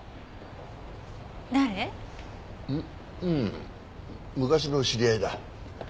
うん昔の知り合いだ。